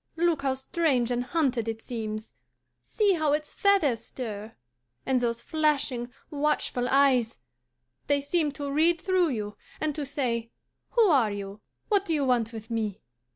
"Look how strange and hunted it seems! See how its feathers stir! And those flashing, watchful eyes, they seem to read through you, and to say, 'Who are you? What do you want with me?